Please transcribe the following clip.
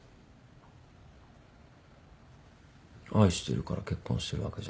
愛してるから結婚してるわけじゃん。